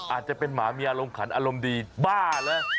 อาจจะเป็นหมาเมียอารมณ์ขันอารมณ์ดีบ้าเหรอ